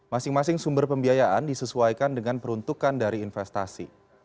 masing masing sumber pembiayaan disesuaikan dengan peruntukan dari investasi